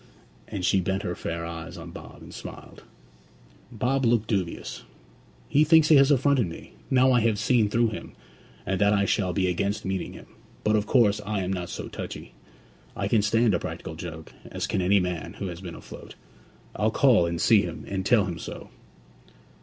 And she bent her fair eyes on Bob and smiled. Bob looked dubious. 'He thinks he has affronted me, now I have seen through him, and that I shall be against meeting him. But, of course, I am not so touchy. I can stand a practical joke, as can any man who has been afloat. I'll call and see him, and tell him so.'